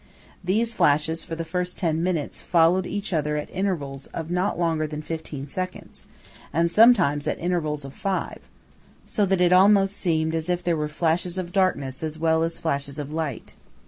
These flashes, for the first ten minutes, followed each other at intervals of not longer than fifteen seconds, and sometimes at intervals of five; so that it almost seemed as if there were flashes of darkness as well as flashes of light.